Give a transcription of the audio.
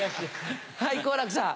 はい好楽さん。